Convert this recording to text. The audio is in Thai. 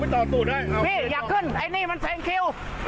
พี่อย่าขึ้นไอ้นี่มันแซงคิว